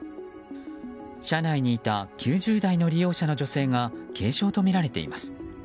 車内にいた９０代の利用者の女性が軽傷とみられています。